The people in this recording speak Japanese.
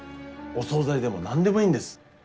お総菜でも何でもいいんです。